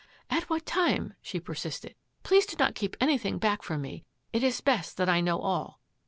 " At what time? " she persisted. " Please do not keep anything bax^k from me. It is best that I know all."